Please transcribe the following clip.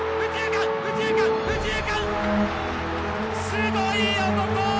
すごい男！